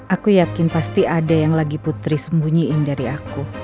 aku yakin pasti ada yang lagi putri sembunyiin dari aku